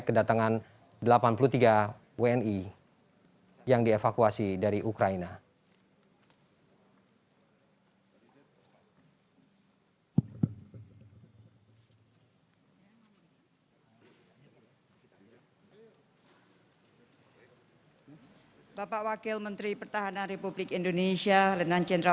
pelaku perjalanan luar negeri